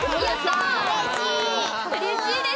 うれしいです。